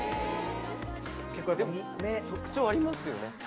結構特徴ありますよね。